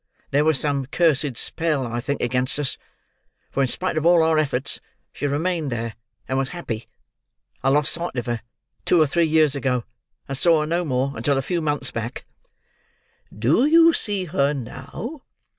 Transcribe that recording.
There was some cursed spell, I think, against us; for in spite of all our efforts she remained there and was happy. I lost sight of her, two or three years ago, and saw her no more until a few months back." "Do you see her now?"